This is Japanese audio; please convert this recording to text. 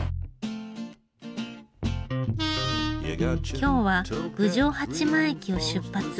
今日は郡上八幡駅を出発。